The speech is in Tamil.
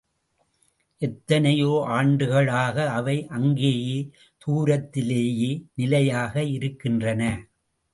எத்தனையோ ஆண்டுகளாக அவை அங்கேயே தூரத்திலேயே நிலையாக இருக்கின்றன.